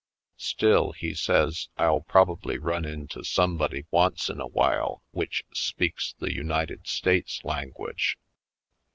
Still, he says I'll probably run into somebody once in awhile which speaks the United States language.